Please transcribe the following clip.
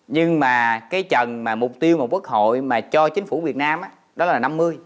nhưng mà cái trần mà mục tiêu mà quốc hội mà cho chính phủ việt nam đó là năm mươi